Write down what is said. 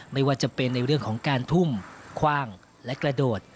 ไม่ว่าจะเป็นในเรื่องของการทุ่มคว่างและกระโดด